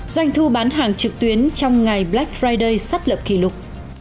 doanh thu bán hàng trực tuyến trong ngày black friday sắp lập kỷ lục